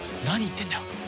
何言ってんだよ！